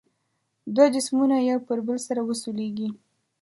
دوه جسمونه یو پر بل سره وسولیږي.